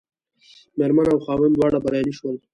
مېرمن او خاوند دواړه بریالي شول.